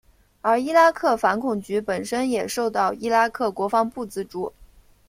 而伊拉克反恐局本身也受到伊拉克国防部资助。